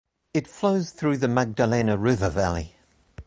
It flows through the Magdalena River Valley.